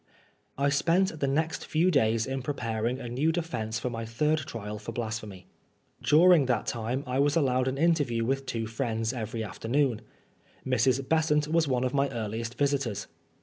I spent the next few days in preparing a new de fence for my third trial for Blasphemy. During that time I was allowed an interview with two friends every afternoon. Mrs. Besant was one of my earliest visitors.